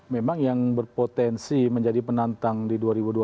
memang yang berpotensi menjadi penantang di dua ribu dua puluh